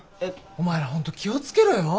お前ら本当気を付けろよ？